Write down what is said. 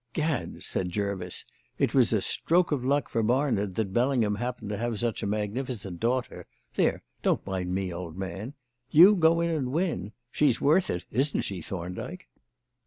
"Gad," said Jervis, "it was a stroke of luck for Barnard that Bellingham happened to have such a magnificent daughter there! don't mind me, old man. You go in and win she's worth it, isn't she, Thorndyke?"